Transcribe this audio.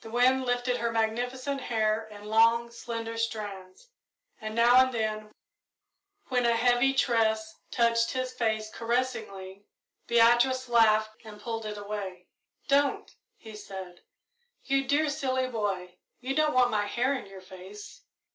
The wind lifted her magnificent hair in long, slender strands, and now and then, when a heavy tress touched his face caressingly, Beatrice laughed and pulled it away. "Don't!" he said. "You dear, silly boy, you don't want my hair in your face."